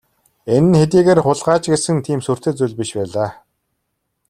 Энэ нь хэдийгээр хулгай ч гэсэн тийм сүртэй зүйл биш байлаа.